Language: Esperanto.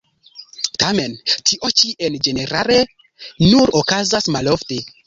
Tamen tio ĉi en ĝenerale nur okazas malofte.